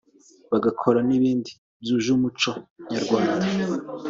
bagakora n’ibindi byuje umuco Nyarwanda